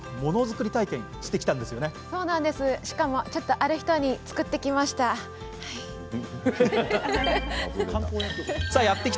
しかもちょっとある人に作ってきました。